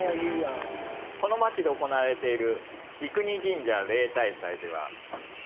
この町で行われている。